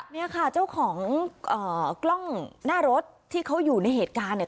เนี่ยค่ะเจ้าของกล้องหน้ารถที่เขาอยู่ในเหตุการณ์เนี่ย